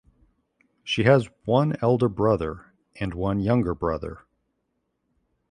She has one elder brother and one younger brother.